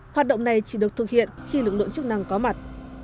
hoạt động này chỉ được thực hiện khi lực lượng chức năng có mặt